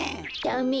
ダメ。